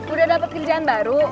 udah dapat kerjaan baru